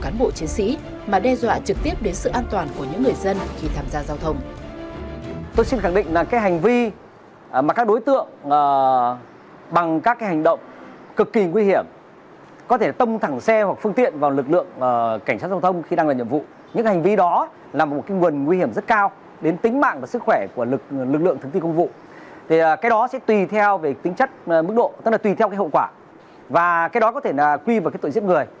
nhưng cũng ảnh hưởng đến tính mạng và sức khỏe của cán bộ chiến sĩ mà đe dọa trực tiếp đến sự an toàn của những người dân khi tham gia giao thông